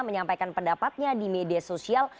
menyampaikan pendapatnya di media sosial